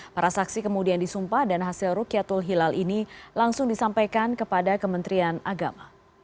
para saksi kemudian disumpah dan hasil rukyatul hilal ini langsung disampaikan kepada kementerian agama